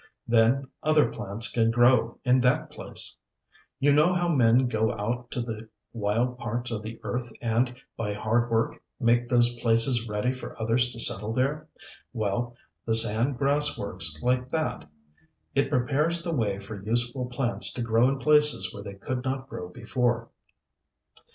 Then other plants can grow in that place. You know how men go out to the wild parts of the earth and, by hard work, make those places ready for others to settle there. Well, the sand grass works like that. It prepares the way for useful plants to grow in places where they could not grow before.